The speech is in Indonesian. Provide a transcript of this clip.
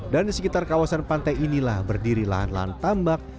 dan di sekitar kawasan pantai inilah berdiri lahan lahan tambak